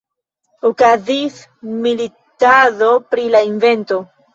Okazis militado pri la invento.